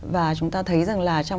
và chúng ta thấy rằng là trong